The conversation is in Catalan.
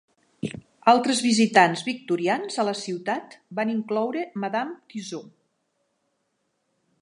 Altres visitants victorians a la ciutat van incloure Madame Tussaud.